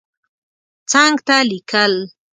څنګ ته لیکل